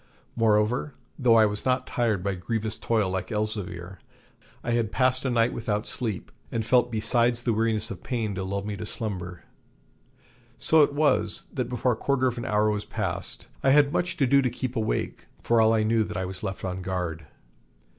Moreover, though I was not tired by grievous toil like Elzevir, I had passed a night without sleep, and felt besides the weariness of pain to lull me to slumber. So it was, that before a quarter of an hour was past, I had much ado to keep awake, for all I knew that I was left on guard.